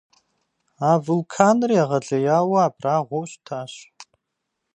А вулканыр егъэлеяуэ абрагъуэу щытащ.